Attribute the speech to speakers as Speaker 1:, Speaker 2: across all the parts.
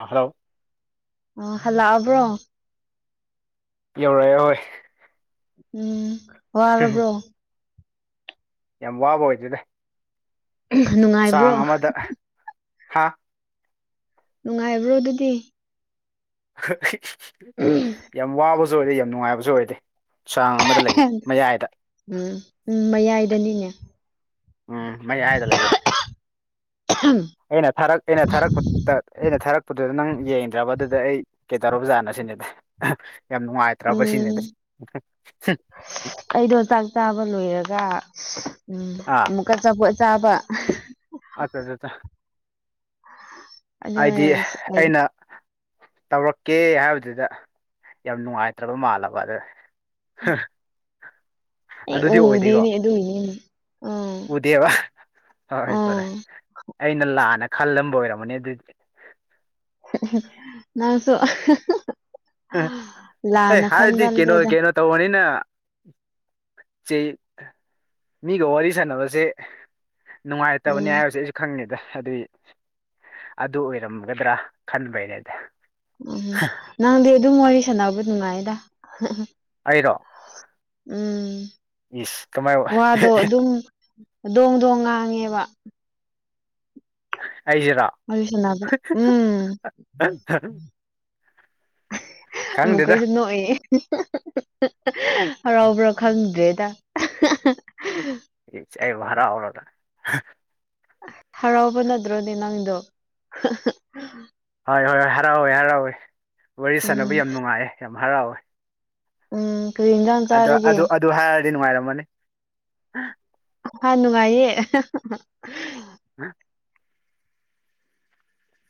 Speaker 1: hello
Speaker 2: ꯑ ꯍꯜꯂꯛꯑꯕ꯭ꯔꯣ
Speaker 1: ꯌꯧꯔꯛꯑꯦ ꯌꯧꯋꯦ
Speaker 2: ꯎꯝ ꯋꯥꯔꯕ꯭ꯔꯣ
Speaker 1: ꯌꯥꯝ ꯋꯥꯕ ꯑꯣꯏꯗꯦꯗ
Speaker 2: ꯑꯝ ꯅꯨꯡꯉꯥꯏꯕ꯭ꯔꯣ
Speaker 1: ꯍꯥꯥ
Speaker 2: ꯅꯨꯡꯉꯥꯏꯕ꯭ꯔꯣ ꯑꯗꯨꯗꯤ
Speaker 1: ꯌꯥꯝ ꯋꯥꯕꯁꯨ ꯑꯣꯏꯗꯦ ꯌꯥꯝ ꯅꯨꯡꯉꯥꯏꯕꯁꯨ ꯑꯣꯏꯗꯦ ꯆꯥꯡ ꯑꯃꯗ ꯂꯩ ꯃꯌꯥꯏꯗ
Speaker 2: ꯎꯝ ꯎꯝ ꯃꯌꯥꯏꯗꯅꯤꯅꯦ
Speaker 1: ꯎꯝ ꯃꯌꯥꯏꯗ ꯂꯩꯌꯦ ꯑꯩꯅ ꯊꯥꯔꯛ ꯑꯩꯅ ꯊꯥꯔꯛꯄ ꯑꯩꯅ ꯊꯥꯔꯛꯄꯗꯨꯗ ꯅꯪ ꯌꯦꯡꯗ꯭ꯔꯕ ꯑꯗꯨꯗ ꯑꯩ ꯀꯩꯗꯧꯔꯕ ꯖꯥꯠꯅꯣ ꯁꯤꯅꯦꯗ ꯌꯥꯝ ꯅꯨꯡꯉꯥꯏꯇ꯭ꯔꯕ ꯁꯤꯅꯦ
Speaker 2: ꯎꯝ
Speaker 1: ꯍꯝ
Speaker 2: ꯑ ꯎꯝ ꯑꯃꯨꯛꯀ ꯑꯆꯥꯄꯣꯠ ꯆꯥꯕ
Speaker 1: ꯑꯗꯨꯗꯗ
Speaker 2: [inaudible]
Speaker 1: ꯍꯥꯏꯗꯤ
Speaker 2: ꯑꯩ
Speaker 1: ꯑꯩꯅ ꯇꯧꯔꯛꯀꯦ ꯍꯥꯏꯕꯗꯨꯗ ꯌꯥꯝ ꯅꯨꯡꯉꯥꯏꯇ꯭ꯔꯕ ꯃꯥꯜꯂꯕ ꯑꯗ ꯍ
Speaker 2: ꯑꯩ ꯎꯗꯤꯅꯦ ꯑꯗꯨꯏꯅꯤꯅꯦ ꯑ
Speaker 1: ꯍꯣꯏ ꯍꯣꯏ ꯐꯔꯦ ꯑꯩꯅ ꯂꯥꯟꯅ ꯈꯜꯂꯝꯕ ꯑꯣꯏꯔꯝꯃꯅꯦ ꯑꯗꯨꯗꯤ
Speaker 2: ꯅꯪꯁꯨ ꯍꯥ ꯍꯥ
Speaker 1: ꯑꯪ ꯑꯦ ꯍꯥꯏꯔꯗꯤ ꯀꯩꯅꯣ
Speaker 2: ꯈꯟꯒꯜꯂꯦꯗ
Speaker 1: ꯀꯩꯅꯣ ꯇꯧꯕꯅꯤꯅ ꯆꯦ ꯃꯤꯒ ꯋꯥꯔꯤ ꯁꯥꯟꯅꯕꯁꯦ ꯅꯨꯡꯉꯥꯏꯇꯕꯅꯦ
Speaker 2: ꯎꯝ
Speaker 1: ꯍꯥꯏꯕꯁꯦ ꯑꯩꯁꯨ ꯈꯪꯉꯤꯗ ꯑꯗꯨꯏ ꯑꯗꯨ ꯑꯣꯏꯔꯝꯒꯗ꯭ꯔꯥ ꯈꯟꯕꯩꯅꯦꯗ
Speaker 2: ꯎꯝ ꯅꯪꯗꯤ ꯑꯗꯨꯝ ꯋꯥꯔꯤ ꯁꯥꯟꯅꯕ ꯅꯨꯡꯉꯥꯏꯗ
Speaker 1: ꯑꯩꯔꯣ
Speaker 2: ꯎꯝ
Speaker 1: ꯏꯁ ꯀꯃꯥꯏ
Speaker 2: ꯋꯥꯗꯣ ꯑꯗꯨꯝ ꯗꯣꯡ ꯗꯣꯡ ꯉꯥꯡꯉꯦꯕ
Speaker 1: ꯑꯩꯖꯤꯔꯣ
Speaker 2: ꯋꯥꯔꯤ ꯁꯥꯟꯅꯕ ꯎꯝ
Speaker 1: [inaudible]
Speaker 2: ꯑꯃꯨꯛꯀꯁꯨ ꯅꯣꯛꯏꯌꯦ ꯍꯔꯥꯎꯕ꯭ꯔꯥ ꯈꯪꯗ꯭ꯔꯦꯗ ꯑꯍ ꯍ
Speaker 1: ꯏꯆꯦ ꯃ ꯌꯥꯝ ꯍꯔꯥꯎꯔꯗꯅ
Speaker 2: ꯍꯔꯥꯎꯕ ꯅꯠꯇ꯭ꯔꯣꯅꯦ ꯅꯪꯗꯣ
Speaker 1: ꯍꯣꯏ ꯍꯣꯏ ꯍꯣꯏ ꯍꯔꯥꯎꯋꯦ ꯍꯔꯥꯎꯋꯦ ꯋꯥꯔꯤ ꯁꯥꯅꯕ
Speaker 2: ꯎꯝ
Speaker 1: ꯌꯥꯝ ꯅꯨꯡꯉꯥꯏꯌꯦ ꯌꯥꯝ ꯍꯔꯥꯎꯋꯦ
Speaker 2: ꯎꯝ ꯀꯔꯤ ꯍꯤꯟꯖꯥꯡ ꯆꯥꯔꯒꯦ
Speaker 1: ꯊꯤ ꯅꯨꯡꯉꯥꯏꯔꯃꯅꯤ
Speaker 2: ꯍꯣꯏ ꯅꯨꯡꯉꯥꯏꯌꯦ
Speaker 1: ꯍꯥ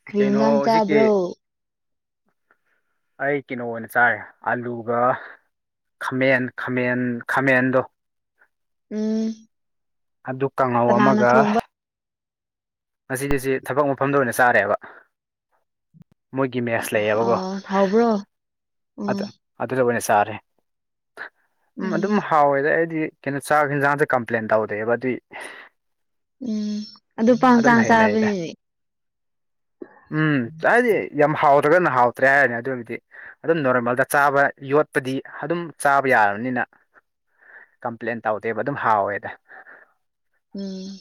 Speaker 2: ꯀꯔꯤ
Speaker 1: ꯀꯩꯅꯣ
Speaker 2: ꯍꯤꯟꯖꯥꯡ
Speaker 1: ꯍꯧꯖꯤꯛꯀꯤ
Speaker 2: ꯆꯥꯕ꯭ꯔꯣ
Speaker 1: ꯑꯩ ꯀꯤꯅꯣ ꯑꯣꯏꯅ ꯆꯥꯏꯑꯦ ꯑꯥꯂꯨꯒ ꯈꯃꯦꯟ ꯈꯃꯦꯟ ꯈꯥꯃꯦꯟꯗꯣ
Speaker 2: ꯎꯝ
Speaker 1: ꯑꯗꯨ ꯀꯥꯡꯍꯧ
Speaker 2: ꯀꯅꯥꯅ
Speaker 1: ꯑꯃꯒ
Speaker 2: ꯊꯣꯡꯕ
Speaker 1: ꯉꯁꯤꯗꯤꯁꯤ ꯊꯕꯛ ꯃꯐꯝꯗ ꯑꯣꯏꯅ ꯆꯥꯔꯦꯕ ꯃꯣꯏꯒꯤ ꯃꯦꯁ ꯂꯩꯌꯦꯕꯀꯣ
Speaker 2: ꯑ ꯍꯥꯎꯕ꯭ꯔꯣ ꯎꯝ
Speaker 1: ꯑꯗ ꯑꯗꯨꯗ ꯆ ꯇꯥꯔꯦ ꯎꯝ ꯑꯗꯨꯝ ꯍꯥꯎꯋꯦꯗ ꯑꯩꯗꯤ ꯀꯩꯅꯣ ꯆꯥꯛ ꯍꯦꯟꯖꯥꯡꯗ ꯀꯝꯄ꯭ꯂꯦꯟ ꯇꯧꯗꯦꯕ ꯑꯗꯨꯏ
Speaker 2: ꯎꯝ ꯑꯗꯨ
Speaker 1: ꯑꯗꯨꯝ
Speaker 2: ꯄꯪꯆꯥꯡ
Speaker 1: ꯍꯩꯅꯗ
Speaker 2: ꯆꯥꯕꯅꯤꯅꯦ
Speaker 1: ꯎꯝ ꯆꯥꯗꯤ ꯌꯥꯝ ꯍꯥꯎꯑꯦ ꯐꯖꯅ ꯍꯥꯎꯇ꯭ꯔꯦ ꯍꯥꯏꯔꯗꯤ ꯑꯗꯨꯝꯃꯗꯤ ꯑꯗꯨꯝ ꯅꯣꯔꯃꯦꯜꯗ ꯆꯥꯕ ꯌꯣꯠꯄꯗꯤ ꯑꯗꯨꯝ ꯆꯥꯕ ꯌꯥꯔꯕꯅꯤꯅ ꯀꯝꯄ꯭ꯂꯦꯟ ꯇꯧꯗꯦꯕ ꯑꯗꯨꯝ ꯍꯥꯎꯋꯦꯗ
Speaker 2: ꯎꯝ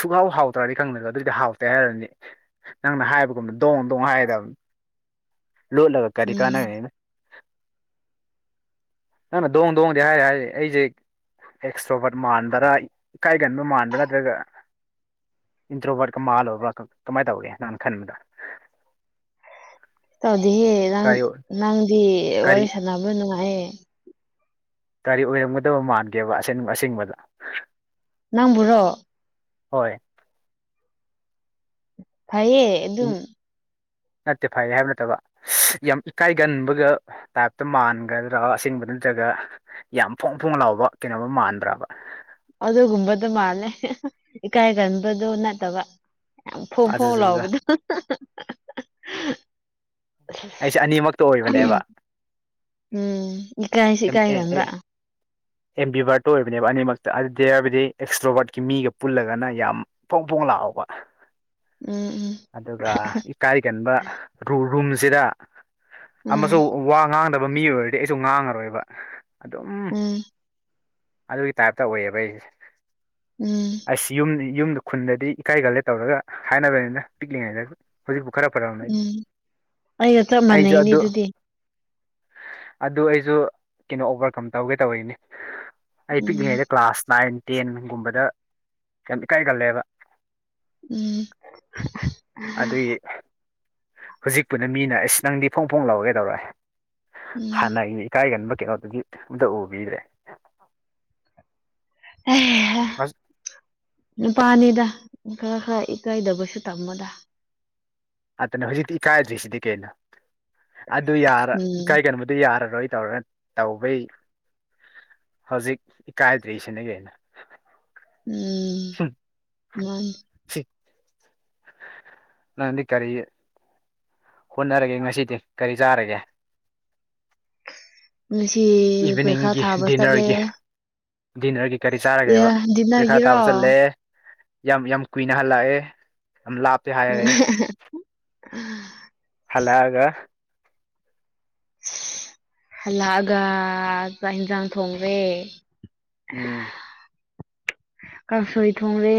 Speaker 1: ꯁꯨꯛꯍꯥꯎ ꯍꯥꯎꯇ꯭ꯔꯗꯤ ꯈꯪꯗꯦ ꯑꯗꯨꯑꯣꯏꯗꯤ ꯑꯗꯨꯗꯤ ꯍꯥꯎꯇꯦ ꯍꯥꯏꯔꯅꯤ ꯅꯪꯅ ꯍꯥꯏꯕꯒꯨꯝꯅ ꯗꯣꯡ ꯗꯣꯡ ꯍꯥꯏꯒꯗꯕꯅꯤ ꯂꯣꯠꯂꯒ ꯀꯔꯤ
Speaker 2: ꯎꯝ
Speaker 1: ꯀꯥꯟꯅꯔꯦꯅ ꯅꯪꯅ ꯗꯣꯡ ꯗꯣꯡꯗꯤ ꯍꯥꯏ ꯍꯥꯏꯔꯤ ꯑꯩꯖꯦ ꯑꯦꯛꯁꯇ꯭ꯔꯣꯕꯔꯠ ꯃꯥꯟꯕ꯭ꯔꯥ ꯏꯀꯥꯏꯒꯟꯕ ꯃꯥꯟꯕ꯭ꯔꯥ ꯅꯠꯇ꯭ꯔꯒ ꯏꯟꯇ꯭ꯔꯣꯕꯔꯠꯀ ꯃꯥꯜꯂꯕ꯭ꯔꯥ ꯀꯃꯥꯏꯅ ꯇꯧꯒꯦ ꯅꯪꯅ ꯈꯟꯕꯗ
Speaker 2: ꯇꯧꯗꯦꯍꯦ ꯅꯪ
Speaker 1: ꯀꯔꯤ ꯑꯣꯏ
Speaker 2: ꯅꯪꯗꯤ
Speaker 1: ꯀꯔꯤ
Speaker 2: ꯋꯥꯔꯤ ꯁꯥꯟꯅꯕ ꯅꯨꯡꯉꯥꯏꯌꯦ
Speaker 1: ꯀꯔꯤ ꯑꯣꯏꯔꯝꯒꯗꯕ ꯃꯥꯟꯒꯦꯕ ꯑꯁꯦꯡꯕ ꯑꯁꯦꯡꯕꯗ
Speaker 2: ꯅꯪꯕꯨꯔꯣ
Speaker 1: ꯍꯣꯏ
Speaker 2: ꯐꯩꯌꯦ
Speaker 1: ꯏꯪ
Speaker 2: ꯑꯗꯨꯝ
Speaker 1: ꯅꯠꯇꯦ ꯐꯩ ꯍꯥꯏꯕ ꯅꯠꯇꯕ ꯌꯥꯝ ꯏꯀꯥꯏꯒꯟꯕꯒ ꯇꯥꯏꯞꯇ ꯃꯥꯟꯒꯗ꯭ꯔꯥ ꯑꯁꯦꯡꯕꯗ ꯅꯠꯇ꯭ꯔꯒ ꯌꯥꯝ ꯐꯣꯡ ꯐꯣꯡ ꯂꯥꯎꯕ ꯀꯩꯅꯣꯒ ꯃꯥꯟꯕ꯭ꯔꯕꯥ
Speaker 2: ꯑꯗꯨꯒꯨꯝꯕꯗꯣ ꯃꯥꯜꯂꯦ ꯍꯦ ꯍꯦ ꯏꯀꯥꯏ ꯒꯟꯕꯗꯣ ꯅꯠꯇꯕ ꯌꯥꯝ ꯐꯣꯡ ꯐꯣꯡ
Speaker 1: ꯑꯗꯨꯗꯨꯗ
Speaker 2: ꯂꯥꯎꯕꯗꯣ ꯍꯥ
Speaker 1: ꯑꯩꯁꯦ ꯑꯅꯤꯃꯛꯇ
Speaker 2: ꯍꯥ ꯍꯦ
Speaker 1: ꯑꯣꯏꯕꯅꯦꯕ
Speaker 2: ꯎꯝ ꯎꯝ ꯏꯀꯥꯏꯁꯨ ꯏꯀꯥꯏꯒꯟꯕ
Speaker 1: ꯑꯦꯝꯕꯤꯕꯥꯔꯠꯇꯣ ꯑꯣꯏꯕꯅꯦꯕ ꯑꯅꯤꯃꯛꯇ ꯑꯗꯨꯗꯤ ꯍꯥꯏꯕꯗꯤ ꯑꯦꯛꯁꯇ꯭ꯔꯣꯕꯥꯔꯠꯀꯤ ꯃꯤꯒ ꯄꯨꯜꯂꯒꯅ ꯌꯥꯝ ꯐꯣꯡ ꯐꯣꯡ ꯂꯥꯑꯣꯕ
Speaker 2: ꯎꯝ
Speaker 1: ꯑꯗꯨꯒ ꯏꯀꯥꯏꯒꯟꯕ ꯔꯨꯝꯁꯤꯗ ꯑꯃꯁꯨ
Speaker 2: ꯎꯝ
Speaker 1: ꯋꯥ ꯉꯥꯡꯗꯕ ꯃꯤ ꯑꯣꯏꯔꯗꯤ ꯑꯩꯁꯨ ꯉꯥꯡꯉꯔꯣꯏꯕ ꯑꯗꯨꯝ
Speaker 2: ꯎꯝ ꯎꯝ
Speaker 1: ꯑꯗꯨꯒꯤ ꯇꯥꯏꯞ ꯇꯧꯌꯦꯕ ꯑꯩꯁꯦ
Speaker 2: ꯎꯝ
Speaker 1: ꯑꯁ ꯌꯨꯝ ꯌꯨꯝꯗ ꯈꯨꯟꯗꯗꯤ ꯏꯀꯥꯏꯒꯜꯂꯦ ꯇꯧꯔꯒ ꯍꯥꯏꯅꯕꯅꯤꯗ ꯄꯤꯛꯂꯤꯉꯩꯗ ꯍꯧꯖꯤꯛꯐꯥꯎ ꯈꯔ ꯐꯔꯛꯑꯕꯅꯤ
Speaker 2: ꯎꯝ ꯑꯩꯒ ꯆꯞ
Speaker 1: ꯑꯩꯁꯨ
Speaker 2: ꯃꯥꯟꯅꯩꯅꯦ
Speaker 1: ꯑꯗꯨ
Speaker 2: ꯑꯗꯨꯗꯤ
Speaker 1: ꯑꯗꯨ ꯑꯩꯁꯨ ꯀꯩꯅꯣ ꯑꯣꯚꯔꯀꯝ ꯇꯧꯒꯦ ꯇꯧꯔꯤꯅꯤ ꯑꯩ
Speaker 2: ꯎꯝ
Speaker 1: ꯄꯤꯛꯂꯤꯉꯩꯗ ꯀ꯭ꯂꯥꯁ ꯅꯥꯏꯟ ꯇꯦꯟꯒꯨꯝꯕꯗ ꯌꯥꯝ ꯏꯀꯥꯏꯒꯜꯂꯦꯕ
Speaker 2: ꯎꯝ ꯍꯥ ꯍꯥ
Speaker 1: ꯑꯗꯨꯒꯤ
Speaker 2: ꯑꯥ
Speaker 1: ꯍꯧꯖꯤꯛꯄꯨꯅ ꯃꯤꯅ ꯑꯁ ꯅꯪꯗꯤ ꯐꯣꯡ ꯐꯣꯡ ꯂꯧꯔꯒꯩꯗꯧꯔꯛꯑꯦ
Speaker 2: ꯎꯝ
Speaker 1: ꯍꯥꯟꯅ ꯑꯩ ꯏꯀꯥꯏꯒꯟꯕ ꯀꯩꯅꯣꯗꯨꯗꯤ ꯑꯝꯇ ꯎꯕꯤꯗ꯭ꯔꯦ
Speaker 2: ꯑꯦꯍ
Speaker 1: ꯑꯥꯁ
Speaker 2: ꯅꯨꯄꯥꯅꯤꯗ ꯈꯔ ꯈꯔ ꯏꯀꯥꯏꯗꯕꯁꯨ ꯇꯝꯃꯣꯗ
Speaker 1: ꯑꯗꯨꯅ ꯍꯧꯖꯤꯛꯇꯤ ꯏꯀꯥꯏꯗ꯭ꯔꯤꯁꯤꯗꯤ ꯀꯩꯅꯣ ꯑꯗꯨ ꯌꯥꯔ
Speaker 2: ꯎꯝ
Speaker 1: ꯏꯀꯥꯏꯒꯟꯕꯗꯨ ꯌꯥꯔ ꯅꯣꯏ ꯇꯧꯔꯦ ꯇꯧꯕꯩ ꯍꯧꯖꯤꯛ ꯏꯀꯥꯏꯗ꯭ꯔꯤꯁꯤꯅ ꯀꯩꯅꯣ ꯎꯝ
Speaker 2: ꯃꯥꯅꯤ
Speaker 1: ꯁꯤ ꯅꯪꯗꯤ ꯀꯔꯤ ꯍꯣꯠꯅꯔꯒꯦ ꯉꯁꯤꯗꯤ ꯀꯔꯤ ꯆꯥꯔꯒꯦ
Speaker 2: ꯉꯁꯤ ꯄꯔꯤꯈꯥ
Speaker 1: ꯏꯚꯤꯅꯤꯡꯒꯤ
Speaker 2: ꯊꯥꯕ ꯆꯠꯂꯦ
Speaker 1: ꯗꯤꯟꯅꯔꯒꯤ ꯗꯤꯅꯔꯒꯤ ꯀꯔꯤ ꯆꯥꯔꯒꯦꯕ
Speaker 2: ꯑꯦ
Speaker 1: ꯄꯔꯤꯈꯥ
Speaker 2: ꯗꯤꯟꯅꯔꯒꯤꯔꯣ
Speaker 1: ꯊꯥꯕ ꯆꯠꯂꯦ ꯌꯥꯝ ꯌꯥꯝ ꯀꯨꯏꯅ ꯍꯜꯂꯛꯑꯦ ꯌꯥꯝ ꯂꯥꯞꯄꯦ ꯍꯥꯏꯔꯦ ꯍꯜꯂꯛꯑꯒ
Speaker 2: ꯍꯜꯂꯛꯑꯒ ꯆꯥꯛ ꯏꯟꯁꯥꯡ ꯊꯣꯡꯔꯦ
Speaker 1: ꯎꯝ
Speaker 2: ꯀꯥꯡꯁꯣꯏ ꯊꯣꯡꯔꯦ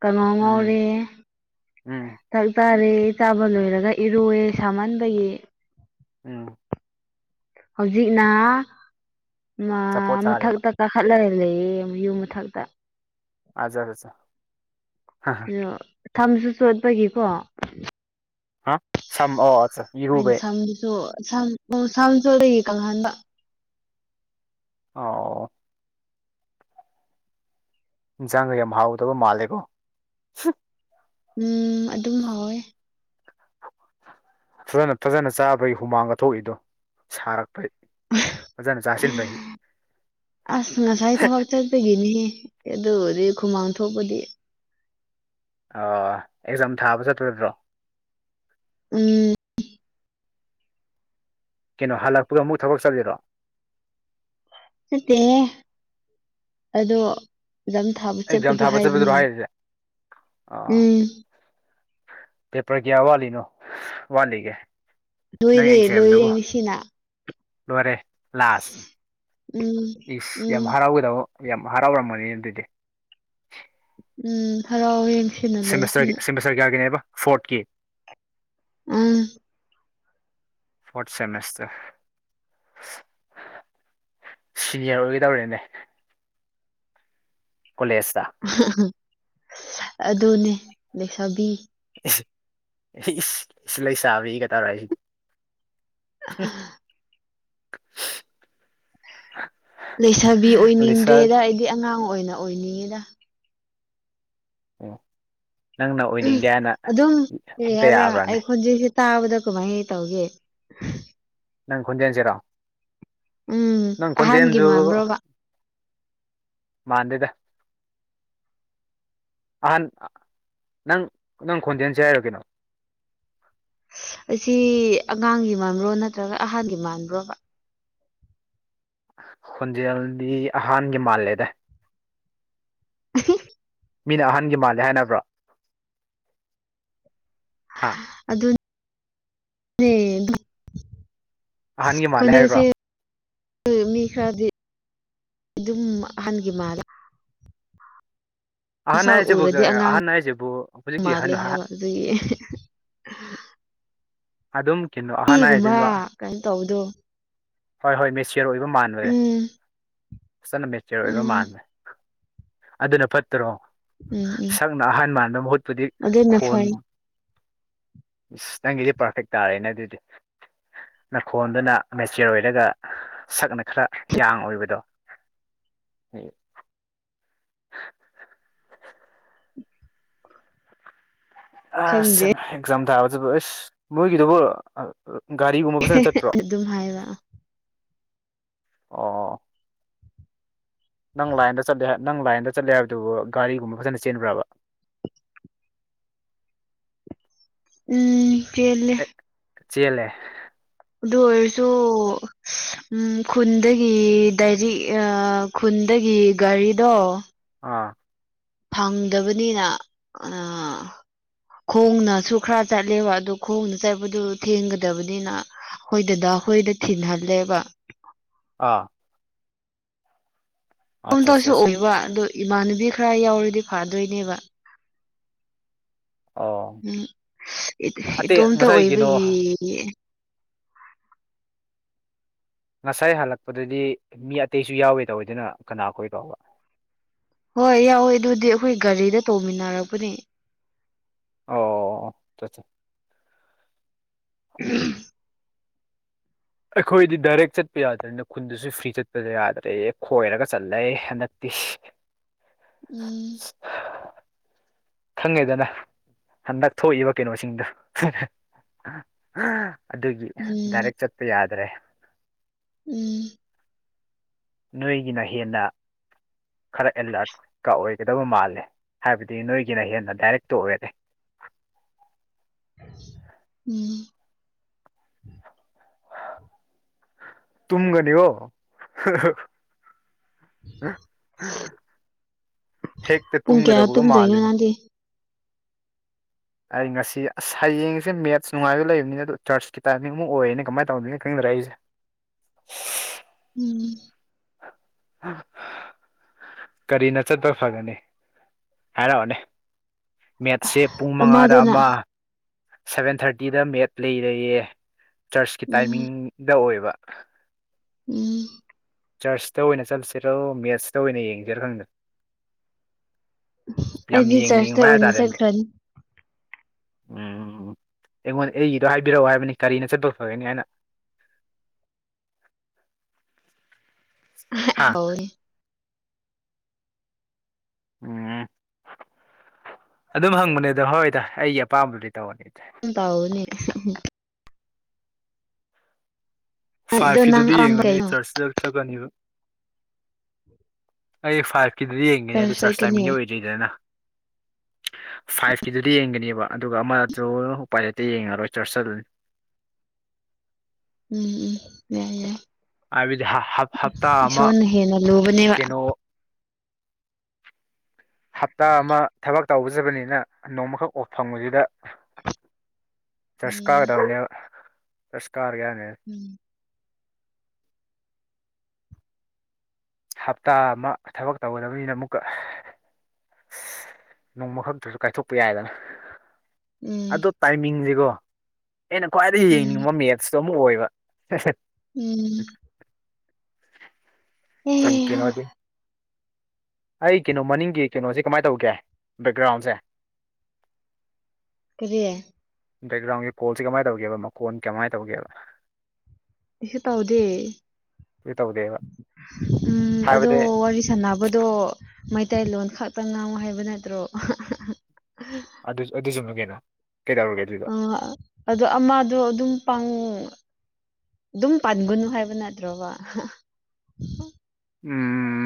Speaker 2: ꯀꯥꯡꯍꯧ
Speaker 1: ꯎꯝ
Speaker 2: ꯉꯧꯔꯦ
Speaker 1: ꯎꯝ
Speaker 2: ꯇꯥꯡ ꯇꯛ ꯆꯥꯔꯦ ꯆꯥꯕ ꯂꯣꯏꯔꯒ ꯏꯔꯨꯑꯦ ꯁꯥꯃꯟꯕꯒꯤ
Speaker 1: ꯎꯝ
Speaker 2: ꯍꯧꯖꯤꯛꯅ ꯃ
Speaker 1: ꯑꯆꯥꯄꯣꯠ ꯆꯥꯔꯦꯕ
Speaker 2: ꯃꯊꯛꯇ ꯀꯥꯈꯠ ꯂꯥꯢ ꯂꯩꯌꯦ ꯌꯨꯝ ꯃꯊꯛꯇ
Speaker 1: ꯑꯖ ꯕꯖ
Speaker 2: ꯀꯅꯣ ꯁꯝꯁꯨ ꯆꯣꯠꯄꯒꯤꯀꯣ
Speaker 1: ꯍꯥ ꯁꯝ ꯑꯣ ꯑꯆꯥ
Speaker 2: ꯑꯩꯅ
Speaker 1: ꯏꯔꯨꯕꯩ
Speaker 2: ꯁꯝꯗꯨꯁꯨ ꯁꯝ ꯄꯨ ꯁꯝꯁꯨ ꯆꯣꯠꯂꯤꯉꯩ ꯀꯪꯍꯟꯕ
Speaker 1: ꯑꯥ ꯑꯣ ꯑꯣ ꯏꯟꯖꯥꯡꯒ ꯌꯥꯝ ꯍꯥꯎꯒꯗꯕ ꯃꯥꯜꯂꯦꯀꯣ
Speaker 2: ꯎꯝ ꯑꯗꯨꯝ ꯍꯥꯎꯋꯦ
Speaker 1: ꯐꯖꯅ ꯐꯖꯅ ꯆꯥꯕꯩ ꯍꯨꯃꯥꯡꯒ ꯊꯣꯛꯏꯗꯣ ꯁꯥꯔꯛꯄꯩ ꯐꯖꯅ ꯆꯥꯁꯤꯟꯕꯒꯤ
Speaker 2: ꯑꯁ ꯉꯁꯥꯏ ꯊꯕꯛ ꯆꯠꯄꯒꯤꯅꯤ ꯍꯦ ꯑꯗꯨ ꯑꯣꯏꯗꯤ ꯍꯨꯃꯥꯡ ꯊꯣꯛꯄꯗꯤ
Speaker 1: ꯑ ꯑꯦꯛꯖꯥꯝ ꯊꯥꯕ ꯆꯠꯇꯣꯏ ꯅꯠꯇ꯭ꯔꯣ
Speaker 2: ꯎꯝ
Speaker 1: ꯀꯩꯅꯣ ꯍꯜꯂꯛꯄꯒ ꯑꯃꯨꯛ ꯊꯕꯛ ꯆꯠꯂꯤꯔꯣ
Speaker 2: ꯆꯠꯇꯦꯍꯦ ꯑꯗꯣ ꯑꯦꯛꯖꯥꯝ ꯊꯥꯕ
Speaker 1: ꯑꯦꯛꯖꯥꯝ
Speaker 2: ꯆꯠꯄꯗꯣ
Speaker 1: ꯊꯥꯕ ꯆꯠꯄꯗꯨꯔꯣ
Speaker 2: ꯍꯥꯏꯕꯅꯦ
Speaker 1: ꯍꯥꯏꯔꯤꯁꯦ ꯑ
Speaker 2: ꯎꯝ
Speaker 1: ꯄꯦꯄꯔ ꯀꯌꯥ ꯋꯥꯠꯂꯤ ꯅꯣ ꯋꯥꯠꯂꯤꯒꯦ ꯅꯪ
Speaker 2: ꯂꯣꯏꯔꯦ ꯂꯣꯏꯔꯦ
Speaker 1: ꯑꯦꯛꯖꯥꯝꯗꯨꯕꯨ
Speaker 2: ꯉꯁꯤꯅ
Speaker 1: ꯂꯣꯏꯔꯦ ꯂꯥꯁ
Speaker 2: ꯎꯝ
Speaker 1: ꯏꯁ ꯌꯥꯝ
Speaker 2: ꯎꯝ
Speaker 1: ꯍꯔꯥꯎꯒꯗꯕ ꯌꯥꯝ ꯍꯔꯥꯎꯔꯝꯒꯅꯤ ꯑꯗꯨꯗꯤ
Speaker 2: ꯎꯝ ꯍꯔꯥꯎꯋꯦ
Speaker 1: ꯁꯦꯃꯦꯁꯇꯔꯒꯤ ꯁꯦꯃꯦꯁꯇꯔ ꯀꯌꯥꯒꯤꯅꯦꯕ ꯐꯣꯔꯠꯀꯤ
Speaker 2: ꯎꯝ
Speaker 1: ꯐꯣꯔꯠ ꯁꯦꯃꯤꯁꯇꯔ ꯁꯤ ꯌꯣꯏꯒꯗꯧꯔꯦꯅꯦ
Speaker 2: ꯑꯗꯨꯅꯦ ꯂꯩꯁꯥꯕꯤ
Speaker 1: ꯏꯁ ꯏꯁ ꯂꯩꯁꯥꯕꯤꯒ ꯇꯧꯔꯛꯏꯅꯦ
Speaker 2: ꯑ ꯂꯩꯁꯥꯕꯤ
Speaker 1: ꯂꯩꯁꯥ
Speaker 2: ꯑꯣꯏꯅꯤꯡꯗ꯭ꯔꯦꯗ ꯑꯩꯗꯤ ꯑꯉꯥꯡ ꯑꯣꯏꯅ ꯑꯣꯏꯅꯤꯡꯉꯤꯗ
Speaker 1: ꯑꯣ
Speaker 2: ꯑꯗꯨꯝ ꯀꯔꯤ
Speaker 1: ꯍꯦꯛꯇ
Speaker 2: ꯍꯥꯏꯕ꯭ꯔꯥ
Speaker 1: ꯌꯥꯕ꯭ꯔꯅꯦ
Speaker 2: ꯑꯩꯈꯣꯢꯗꯖꯨ ꯇꯥꯕꯗ ꯀꯃꯥꯏꯅ ꯇꯧꯒꯦ
Speaker 1: ꯅꯪ ꯈꯣꯟꯟꯖꯦꯟꯁꯤꯔꯣ
Speaker 2: ꯎꯝ
Speaker 1: ꯅꯪ
Speaker 2: ꯑꯍꯟꯒꯤ
Speaker 1: ꯈꯨꯣꯟꯟꯖꯦꯟꯖꯨ
Speaker 2: ꯃꯥꯟꯕ꯭ꯔꯣꯕ
Speaker 1: ꯃꯥꯟꯗꯦꯗ ꯑꯍꯟ ꯅꯪ ꯅꯪ ꯈꯣꯟꯖꯦꯜꯁꯦ ꯀꯩꯅꯣ [inaudible]
Speaker 2: ꯑꯁꯤ ꯑꯉꯥꯡꯒꯤ ꯃꯥꯟꯕ꯭ꯔꯣ ꯅꯠꯇ꯭ꯔꯒ ꯑꯍꯟꯒꯤ ꯃꯥꯟꯕ꯭ꯔꯣꯕ
Speaker 1: ꯈꯣꯟꯖꯦꯜꯗꯤ ꯑꯍꯥꯟꯒꯤ ꯃꯥꯜꯂꯦꯗ
Speaker 2: [inaudible]
Speaker 1: ꯃꯤꯅ ꯑꯍꯟꯒꯤ ꯃꯥꯜꯂꯦ ꯍꯥꯏꯅꯕ꯭ꯔꯣ ꯍꯥ
Speaker 2: ꯑꯗꯨ [unintelligible]
Speaker 1: ꯑꯍꯟꯒꯤ ꯃꯥꯜꯂꯦ ꯍꯥꯏ꯭ꯕꯔꯣ
Speaker 2: ꯃꯤ ꯈꯔꯗꯤ ꯑꯗꯨꯝ ꯑꯍꯟꯒꯤ ꯃꯥꯜꯂꯦ
Speaker 1: ꯑꯍꯟ
Speaker 2: ꯁꯛ
Speaker 1: ꯍꯥꯏꯁꯤꯕꯨ
Speaker 2: ꯎꯔꯗꯤ ꯑꯉꯥꯡ
Speaker 1: ꯑꯍꯟ ꯍꯥꯏꯁꯤꯕꯨ ꯍꯧꯖꯤꯛꯀꯤ ꯑꯍꯟ
Speaker 2: ꯃꯥꯜꯂꯦ ꯍꯥꯏꯕ ꯑꯗꯨꯒꯤ [inaudible]
Speaker 1: ꯑꯗꯨꯝ ꯀꯤꯅꯣ ꯑꯍꯟ ꯍꯥꯏꯖꯤꯂꯣ
Speaker 2: ꯏꯒꯨꯝꯕ ꯀꯩꯅꯣ ꯇꯧꯕꯗꯣ
Speaker 1: ꯍꯣꯏ ꯍꯣꯏ ꯃꯦꯆꯤꯌꯣꯔ ꯑꯣꯏꯕ ꯃꯥꯜꯂꯦ
Speaker 2: ꯎꯝ
Speaker 1: ꯐꯖꯟꯅ ꯃꯦꯆꯤꯌꯣꯔ ꯑꯣꯏꯕ
Speaker 2: ꯎꯝ
Speaker 1: ꯃꯥꯜꯂꯦ ꯑꯗꯨꯅ ꯐꯠꯇ꯭ꯔꯣ
Speaker 2: ꯎꯝ ꯎꯝ
Speaker 1: ꯁꯛꯅ ꯑꯍꯥꯟ ꯃꯥꯟꯕ ꯃꯍꯨꯠꯄꯨꯗꯤ
Speaker 2: ꯑꯗꯨꯅ
Speaker 1: ꯈꯣꯟ
Speaker 2: ꯐꯩ
Speaker 1: ꯏꯁ ꯅꯪꯒꯤꯗꯤ ꯄꯔꯐꯦꯛ ꯇꯥꯔꯦꯅꯦ ꯑꯗꯨꯗꯤ ꯅꯈꯣꯟꯗꯨꯅ ꯃꯦꯆꯤꯌꯣꯔ ꯑꯣꯏꯔꯒ ꯁꯛꯅ ꯈꯔ ꯌꯥꯡ ꯑꯣꯏꯕꯗꯣ [inaudible]
Speaker 2: [inaudible]
Speaker 1: ꯑꯁ
Speaker 2: ꯈꯪꯗꯦ
Speaker 1: ꯑꯦꯛꯖꯥꯝ ꯊꯥꯕꯗꯨꯕꯨ ꯏꯁ ꯃꯣꯏꯒꯤꯗꯨꯕꯨ ꯒꯥꯔꯤꯒꯨꯝꯕ ꯐꯖꯟ ꯆꯠꯄ꯭ꯔꯣ
Speaker 2: ꯑꯗꯨꯝ ꯍꯥꯏꯕ
Speaker 1: ꯑꯣ ꯅꯪ ꯂꯥꯏꯟꯗ ꯆꯠꯂꯦ ꯅꯪ ꯂꯥꯏꯟꯗ ꯆꯠꯂꯦ ꯍꯥꯏꯕꯗꯨꯕꯨ ꯒꯥꯔꯤꯒꯨꯝꯕ ꯐꯖꯅ ꯆꯦꯟꯕ꯭ꯔꯕ [inaudible]
Speaker 2: ꯎꯝ ꯆꯦꯜꯂꯦ
Speaker 1: ꯑꯦ ꯆꯦꯜꯂꯦ
Speaker 2: ꯑꯗꯨ ꯑꯣꯏꯔꯁꯨ ꯎꯝ ꯈꯨꯟꯗꯒꯤ ꯗꯥꯏꯔꯤ ꯈꯨꯟ ꯑꯩꯒꯤ ꯒꯥꯔꯤꯗꯣ
Speaker 1: ꯑꯥ
Speaker 2: ꯐꯪꯗꯕꯅꯤꯅ ꯑꯥ ꯈꯣꯡꯅꯁꯨ ꯈꯔ ꯆꯠꯂꯦꯕ ꯑꯗꯨ ꯈꯣꯡꯅ ꯆꯠꯄꯗꯨ ꯊꯦꯡꯒꯗꯕꯅꯤꯅ ꯑꯩꯈꯣꯏ ꯗꯥꯗꯥ ꯍꯣꯏꯗ ꯊꯤꯟꯍꯜꯂꯦꯕ
Speaker 1: ꯑꯥ ꯑꯠꯆꯥ
Speaker 2: ꯏꯇꯣꯟꯇꯁꯨ
Speaker 1: ꯑꯠꯆꯥ
Speaker 2: ꯑꯣꯏꯕ ꯑꯗꯣ ꯏꯃꯥꯟꯅꯕꯤ ꯈ꯭ꯔ ꯌꯥꯎꯔꯗꯤ ꯐꯥꯗꯣꯏꯅꯦꯕ
Speaker 1: ꯑꯣ
Speaker 2: ꯎꯝ ꯏ
Speaker 1: ꯑꯇꯩ
Speaker 2: ꯏꯇꯣꯝꯇ
Speaker 1: ꯉꯁꯥꯏ ꯀꯩꯅꯣ
Speaker 2: ꯑꯣꯏꯕꯒꯤ
Speaker 1: ꯉꯁꯥꯏ ꯍꯜꯂꯛꯄꯗꯗꯤ ꯃꯤ ꯑꯇꯩꯁꯨ ꯌꯥꯎꯋꯦ ꯇꯧꯋꯦꯗꯅ ꯀꯅꯥꯈꯣꯏꯔꯣꯕ
Speaker 2: ꯍꯣꯏ ꯌꯥꯎꯋꯦ ꯑꯗꯨꯗꯤ ꯑꯩꯈꯣꯏ ꯒꯥꯔꯤꯗ ꯇꯣꯡꯃꯤꯟꯅꯔꯛꯄꯅꯦ
Speaker 1: ꯑꯣ
Speaker 2: [inaudible]
Speaker 1: ꯑꯩꯈꯣꯏꯗꯤ ꯗꯥꯏꯔꯦꯛ ꯆꯠꯄ ꯌꯥꯗ꯭ꯔꯦꯅ ꯈꯨꯟꯗꯨꯁꯨ ꯐ꯭ꯔꯤ ꯆꯠꯄ ꯌꯥꯗ꯭ꯔꯦ ꯈꯣꯏꯔꯒ ꯆꯠꯂꯦ ꯍꯟꯗꯛ ꯏꯁ
Speaker 2: ꯎꯝ
Speaker 1: ꯈꯪꯉꯦꯗꯅ ꯍꯟꯗꯛ ꯊꯣꯛꯏꯕ ꯀꯩꯅꯣꯁꯤꯡꯗꯣ ꯑꯗꯨꯒꯤ
Speaker 2: ꯎꯝ
Speaker 1: ꯗꯥꯏꯔꯦꯛ ꯆꯠꯄ ꯌꯥꯗ꯭ꯔꯦ
Speaker 2: ꯎꯝ
Speaker 1: ꯅꯣꯏꯒꯤꯅ ꯍꯦꯟꯅ ꯈꯔ ꯑꯦꯂꯔꯠꯀ ꯑꯣꯏꯒꯗꯕ ꯃꯥꯜꯂꯦ ꯍꯥꯏꯕꯗꯤ ꯅꯣꯏꯒꯤꯅ ꯍꯦꯟꯅ ꯗꯥꯏꯔꯦꯛꯇꯣ ꯑꯣꯏꯔꯦ
Speaker 2: ꯎꯝ
Speaker 1: ꯇꯨꯝꯒꯅꯤ ꯑꯣ [inaudible] ꯍꯦꯛꯇ
Speaker 2: ꯄꯨꯡ ꯀꯌꯥ
Speaker 1: ꯇꯨꯝꯒꯗꯕꯒ
Speaker 2: ꯇꯨꯝꯗꯣꯏꯅꯣ
Speaker 1: ꯃꯥꯜꯂꯦꯅꯦ
Speaker 2: ꯅꯪꯗꯤ
Speaker 1: ꯑꯩ ꯉꯁꯤ ꯑꯁ ꯍꯌꯦꯡꯁꯦ ꯃꯦꯠꯁ ꯅꯨꯡꯉꯥꯏꯕ ꯂꯩꯕꯅꯤ ꯑꯗꯨ ꯆꯔꯁꯀꯤ ꯇꯥꯏꯃꯤꯡ ꯃꯨꯛ ꯑꯣꯏꯔꯦꯅꯦ ꯀꯃꯥꯏ ꯇꯧꯅꯤ ꯅꯪꯒꯔꯥ ꯑꯩꯖꯦ
Speaker 2: ꯎꯝ
Speaker 1: ꯑꯍꯥ ꯍꯥ ꯀꯔꯤꯅ ꯆꯠꯄ ꯐꯒꯅꯤ ꯍꯥꯏꯔꯛꯑꯣꯅꯦ ꯃꯦꯠꯁꯦ ꯄꯨꯡ ꯃꯉꯥꯗ
Speaker 2: ꯑꯃꯗꯨꯅ
Speaker 1: ꯑꯃ ꯁꯚꯦꯟ ꯊꯥꯔꯇꯤꯗ ꯃꯦꯠ ꯂꯩꯔꯦꯌꯦ ꯆꯔꯆꯀꯤ
Speaker 2: ꯎꯝ
Speaker 1: ꯇꯥꯏꯃꯤꯡꯗ ꯑꯣꯏꯕ [inaudible]
Speaker 2: ꯎꯝ
Speaker 1: ꯆꯔꯆꯇ ꯑꯣꯏꯅ ꯆꯠꯂꯁꯤꯔꯣ ꯃꯦꯠꯁꯇ ꯑꯣꯏꯅ ꯌꯦꯡꯁꯤꯔꯣ ꯈꯪꯗꯦ ꯌꯥꯝ
Speaker 2: ꯑꯩꯗꯤ ꯆꯔꯆꯇ
Speaker 1: ꯌꯦꯡꯅꯤꯡꯕ
Speaker 2: ꯑꯣꯏꯅ
Speaker 1: ꯍꯥꯏꯇꯥꯔꯦꯅꯦ
Speaker 2: ꯆꯠꯈ꯭ꯔꯅꯤ
Speaker 1: ꯎꯝ ꯎꯝ ꯎꯝ ꯑꯩꯉꯣꯟꯗ ꯑꯩꯒꯤꯗꯣ ꯍꯥꯏꯕꯤꯔꯛꯑꯣ ꯍꯥꯏꯕꯅꯤ ꯀꯔꯤꯅ ꯆꯠꯄ ꯐꯒꯅꯤ ꯍꯥꯏꯅ [inaudible]
Speaker 2: ꯑꯍꯦ ꯍꯥ ꯑꯣꯏ
Speaker 1: ꯎꯝ ꯑꯗꯨꯝ ꯍꯪꯕꯅꯦꯗ ꯍꯣꯏꯗ ꯑꯩꯒꯤ ꯑꯄꯥꯝꯕꯗꯤ ꯇꯧꯔꯅꯤ
Speaker 2: ꯎꯝ ꯇꯧꯎꯅꯤ ꯍꯨ ꯍꯨ ꯑꯗꯣ ꯅꯪ
Speaker 1: ꯐꯥꯏꯚꯀꯤꯗꯨꯗꯤ
Speaker 2: ꯑꯄꯥꯝꯕ
Speaker 1: ꯌꯦꯡꯒꯅꯤ ꯑꯩ
Speaker 2: ꯀꯩꯅꯣ
Speaker 1: ꯆꯔꯁꯗ ꯆꯠꯀꯅꯤꯕ ꯑꯩ ꯐꯥꯏꯚꯀꯤꯗꯗꯤ ꯌꯦꯡꯒꯅꯤ ꯑꯗꯨ
Speaker 2: ꯆꯔꯆ
Speaker 1: ꯆꯥꯔꯁ
Speaker 2: ꯆꯠꯀꯅꯤ
Speaker 1: ꯇꯥꯏꯃꯤꯡꯗꯤ ꯑꯣꯏꯗ꯭ꯔꯤꯗꯅ ꯐꯥꯏꯚꯀꯤꯗꯨꯗꯤ ꯌꯦꯡꯒꯅꯦꯕ ꯑꯗꯨꯒ ꯑꯃꯗꯨ ꯎꯄꯥꯏ ꯂꯩꯇꯦ ꯌꯦꯡꯉꯔꯣꯏ ꯆ꯭ꯔꯁ ꯆꯠꯂꯅꯤ
Speaker 2: ꯎꯝ ꯎꯝ ꯌꯥꯏ ꯌꯥꯏ
Speaker 1: ꯍꯥꯏꯕꯗꯤ ꯍ- ꯍꯞ- ꯍꯞꯇꯥ ꯑꯃ
Speaker 2: ꯏꯁꯣꯔꯅ ꯍꯦꯅ ꯂꯨꯕꯅꯦꯕ
Speaker 1: ꯀꯩꯅꯣ ꯍꯞꯇꯥ ꯑꯃ ꯊꯕꯛ ꯇꯧꯕꯖꯕꯅꯤꯅ ꯅꯣꯡꯃꯈꯛ ꯑꯣ ꯐꯪꯕꯁꯤꯗ
Speaker 2: ꯎꯝ
Speaker 1: ꯆꯠꯁꯀꯥꯒꯗꯕꯅꯤꯕ ꯆꯁꯀꯥꯔꯒꯦꯅꯦ
Speaker 2: ꯎꯝ
Speaker 1: ꯍꯞꯇꯥ ꯑꯃ ꯊꯕꯛ ꯇꯧꯒꯗꯕꯅꯤꯅ ꯑꯃꯨꯛꯀ ꯅꯣꯡꯃ ꯈꯛꯇꯁꯨ ꯀꯥꯏꯊꯣꯛꯄ ꯌꯥꯏꯗꯅ
Speaker 2: ꯎꯝ
Speaker 1: ꯑꯗꯣ ꯇꯥꯏꯃꯤꯡꯖꯤꯒꯣ ꯑꯩꯅ ꯈ꯭ꯋꯥꯏꯗꯒꯤ
Speaker 2: ꯎꯝ
Speaker 1: ꯌꯦꯡꯅꯤꯡꯕ ꯃꯦꯠꯁꯇꯨ ꯑꯃꯨꯛ ꯑꯣꯏꯕ ꯍꯦ ꯍꯦ
Speaker 2: ꯎꯝ ꯑꯦ
Speaker 1: ꯊꯦꯡꯀꯤꯅꯣꯗꯤ ꯑꯩ ꯀꯩꯅꯣ ꯃꯅꯤꯡꯒꯤ ꯀꯩꯅꯣꯁꯦ ꯀꯃꯥꯏ ꯇꯧꯒꯦ ꯕꯦꯛꯒ꯭ꯔꯥꯎꯟꯁꯦ
Speaker 2: ꯀꯔꯤ
Speaker 1: ꯕꯦꯛꯒ꯭ꯔꯥꯎꯟꯒꯤ ꯀꯣꯜꯁꯦ ꯀꯃꯥꯏꯅ ꯇꯧꯒꯦꯕ ꯃꯀꯣꯟ ꯀꯃꯥꯏꯅ ꯇꯧꯒꯦꯕ
Speaker 2: ꯑꯩꯁꯨ ꯇꯧꯗꯦ
Speaker 1: ꯑꯗꯨ ꯇꯧꯗꯦꯕ
Speaker 2: ꯎꯝ ꯑꯗꯣ
Speaker 1: ꯍꯥꯏꯕꯗꯤ
Speaker 2: ꯋꯥꯔꯤ ꯁꯥꯟꯅꯕꯗꯣ ꯃꯩꯇꯩꯂꯣꯟ ꯈꯛꯇ ꯉꯥꯡꯉꯣ ꯍꯥꯏꯕ ꯅꯠꯇ꯭ꯔꯣ
Speaker 1: ꯑꯗꯨ ꯑꯗꯨꯖꯤꯅꯤ ꯀꯩꯅꯣ
Speaker 2: ꯑꯥ ꯑꯗꯣ ꯑꯃꯗꯣ ꯑꯗꯨꯝ ꯄꯥꯡ ꯑꯗꯨꯝ ꯄꯥꯟꯒꯅꯨ ꯍꯥꯏꯕ ꯅꯠꯇ꯭ꯔꯣꯕ
Speaker 1: ꯎꯝꯝ